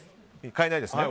変えないですね。